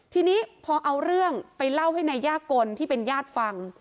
ทีนี้พอเอาเรื่องไปเล่าให้นายย่ากลที่เป็นญาติฟัง